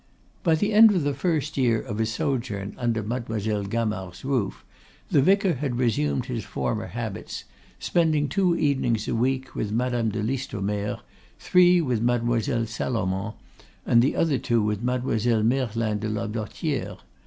By the end of the first year of his sojourn under Mademoiselle Gamard's roof the vicar had resumed his former habits; spending two evenings a week with Madame de Listomere, three with Mademoiselle Salomon, and the other two with Mademoiselle Merlin de la Blottiere.